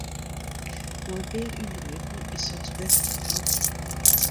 Mei in pear yngrepen is soks bêst te ferhelpen.